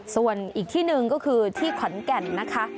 ส่วนอีกที่หนึ่งก็คือที่ขอนแก่นนะคะ